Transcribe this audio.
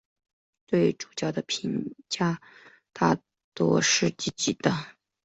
对主角的评价大都是积极的。